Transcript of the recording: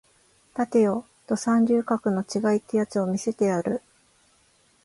立てよド三流格の違いってやつを見せてやる